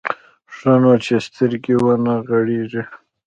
ښه نو چې سترګې ونه غړېږي.